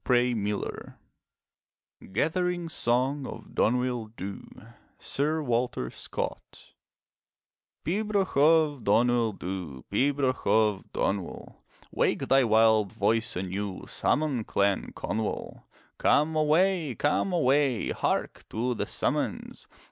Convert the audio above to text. \ GATHERING SONG OF DONUIL DHU Sir Walter Scott Pibroch of Donuil Dhu, Pibroch of Donuil, Wake thy wild voice anew. Summon Clan Conuil. Come away, come away, Hark to the summons!